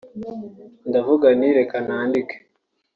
ndavuga nti reka nandike